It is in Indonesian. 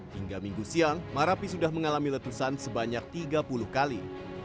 hingga minggu siang marapi sudah mengalami letusan sebanyak tiga puluh kali